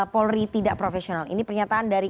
polri tidak profesional ini pernyataan dari